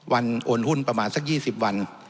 โอนหุ้นประมาณสัก๒๐วัน